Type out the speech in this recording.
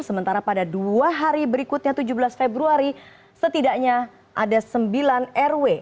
sementara pada dua hari berikutnya tujuh belas februari setidaknya ada sembilan rw